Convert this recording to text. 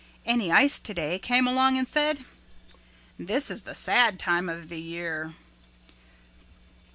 Any Ice Today came along and said, "This is the sad time of the year."